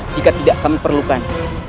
jika tidak kami perlukan